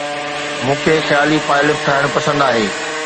مون کي خيالي پائلف ٺاهڻ پسند آهي